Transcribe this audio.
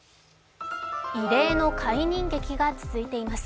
異例の解任劇が続いています。